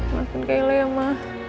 maafin kailah ya ma